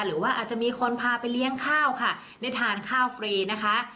หรือว่าอาจจะมีคนพาไปเลี้ยงข้าวค่ะได้ทานข้าวฟรีนะคะ